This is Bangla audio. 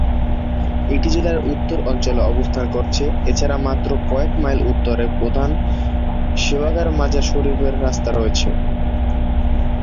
এটি জেলার উত্তর অঞ্চলে অবস্থান করছে, এছাড়াও মাত্র কয়েক মাইল উত্তরে প্রধান শেবারঘান-মাজারী শরীফের রাস্তা রয়েছে।